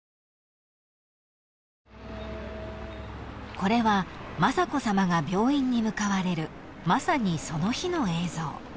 ［これは雅子さまが病院に向かわれるまさにその日の映像］